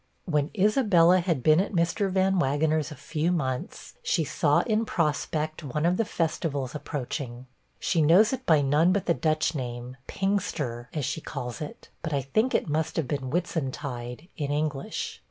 When Isabella had been at Mr. Van Wagener's a few months, she saw in prospect one of the festivals approaching. She knows it by none but the Dutch name, Pingster, as she calls it but I think it must have been Whitsuntide, in English.